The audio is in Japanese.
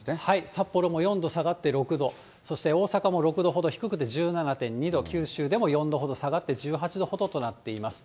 札幌も４度下がって６度、そして大阪も６度ほど低くて１７．２度、九州でも４度ほど下がって１８度ほどとなっています。